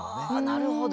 なるほど。